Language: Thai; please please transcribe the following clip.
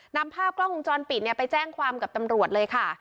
นำภาพกล้องวงจรปิดไปแจ้งความกับตำรวจเลยค่ะ